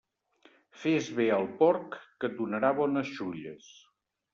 Fes bé al porc, que et donarà bones xulles.